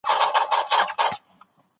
ښاروالي د کثافاتو ټولولو لپاره کار کاوه.